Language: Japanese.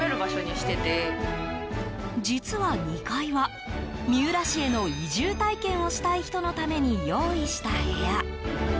実は２階は三浦市への移住体験をしたい人のために用意した部屋。